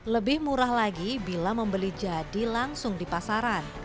lebih murah lagi bila membeli jadi langsung di pasaran